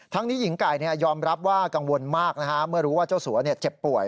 นี้หญิงไก่ยอมรับว่ากังวลมากเมื่อรู้ว่าเจ้าสัวเจ็บป่วย